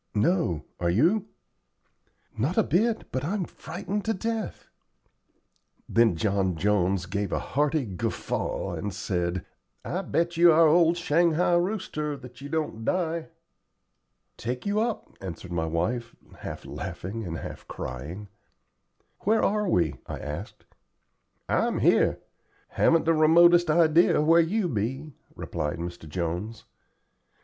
"No, are you?" "Not a bit, but I'm frightened to death." Then John Jones gave a hearty guffaw and said: "I bet you our old shanghai rooster that you don't die." "Take you up," answered my wife, half laughing and half crying. "Where are we?" I asked. "I'm here. Haven't the remotest idea where you be," replied Mr. Jones.